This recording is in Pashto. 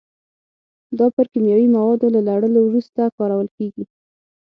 دا پر کیمیاوي موادو له لړلو وروسته کارول کېږي.